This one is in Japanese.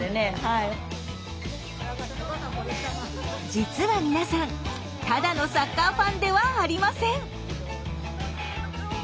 実は皆さんただのサッカーファンではありません。